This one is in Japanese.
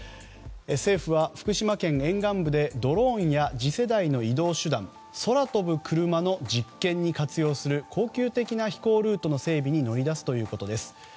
政府は福島県沿岸部でドローンや次世代の移動手段空飛ぶクルマの実験に活用する恒久的な飛行ルートの整備に乗り出すということです。